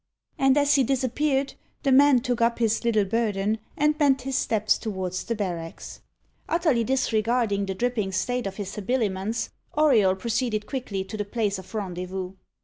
And as he disappeared, the man took up his little burden, and bent his steps towards the barracks. Utterly disregarding the dripping state of his habiliments, Auriol proceeded quickly to the place of rendezvous.